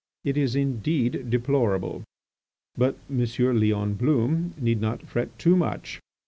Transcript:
It is indeed deplorable. But M. Leon Blum need not fret too much.